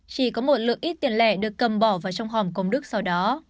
chỉ có một lượng ít tiền lẻ được cầm bỏ vào trong hòm công đức sau đó